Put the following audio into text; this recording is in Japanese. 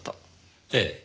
ええ。